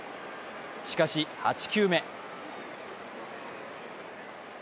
しかし、８球目。